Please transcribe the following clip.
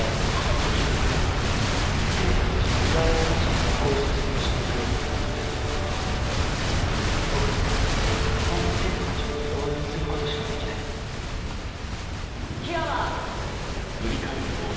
時が来れば生徒たちはいや応なしにここを卒業して行く僕にはそんな生徒たちを応援することしかできない樹山！